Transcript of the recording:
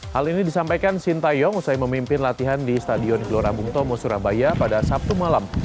hal ini disampaikan sintayong usai memimpin latihan di stadion gelora bung tomo surabaya pada sabtu malam